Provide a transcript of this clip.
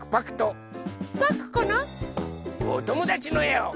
おともだちのえを。